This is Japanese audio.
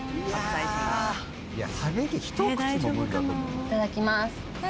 いただきます。